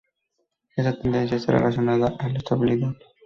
Esta tendencia está relacionada a la estabilidad.